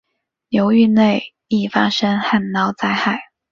流域内易发生旱涝灾害。